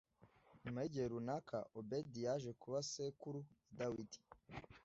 Nyuma y’igihe runaka, Obedi yaje kuba sekuru wa Dawidi